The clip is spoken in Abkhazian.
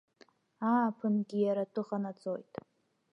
Ааԥынгьы иара атәы ҟанаҵоит.